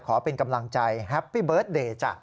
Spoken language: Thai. ขอเป็นกำลังใจแฮปปี้เบิร์ตเดย์จ้ะ